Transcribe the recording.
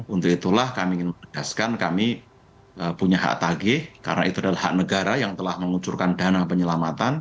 untuk itulah kami ingin menegaskan kami punya hak tagih karena itu adalah hak negara yang telah mengucurkan dana penyelamatan